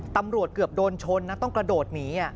ตำรวจเกือบโดนชนนะต้องกระโดดหนี